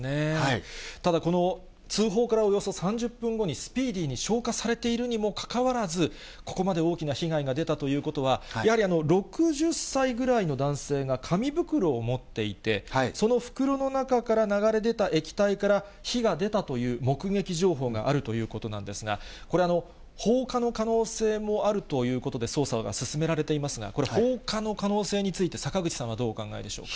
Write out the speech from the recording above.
ただこの通報からおよそ３０分後に、スピーディーに消火されているにもかかわらず、ここまで大きな被害が出たということは、やはり６０歳ぐらいの男性が紙袋を持っていて、その袋の中から流れ出た液体から火が出たという目撃情報があるということなんですが、これ、放火の可能性もあるということで捜査が進められていますが、これ、放火の可能性について、坂口さんはどうお考えでしょうか。